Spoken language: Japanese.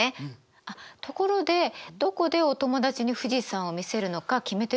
あっところでどこでお友達に富士山を見せるのか決めてる？